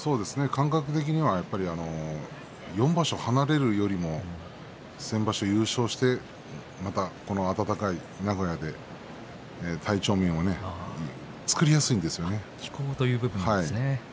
感覚的には４場所、離れるよりも先場所、優勝してまた暖かいこの名古屋で体調面も作りやすいんですよね。